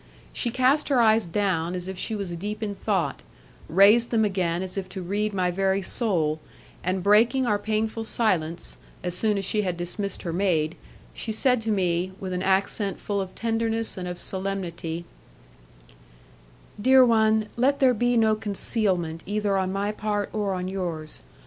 She cast her eyes down as if she was deep in thought, raised them again as if to read my very soul, and breaking our painful silence, as soon as she had dismissed her maid, she said to me, with an accent full of tenderness and of solemnity, "Dear one, let there be no concealment either on my part or on yours.